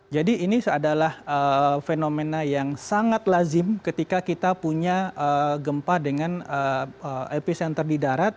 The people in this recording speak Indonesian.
jadi ini adalah fenomena yang sangat lazim ketika kita punya gempa dengan epicenter di darat